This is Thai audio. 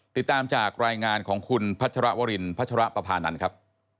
ติดตามจากรายงานของคุณพัชรวรินพัชรปภานันทร์ครับ